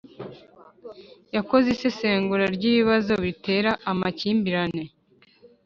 yakoze isesengura ry'ibibazo bitera amakimbirane,